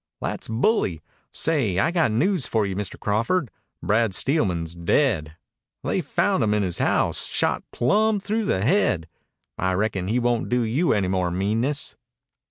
"That's bully. Say, I got news for you, Mr. Crawford. Brad Steelman's dead. They found him in his house, shot plumb through the head. I reckon he won't do you any more meanness."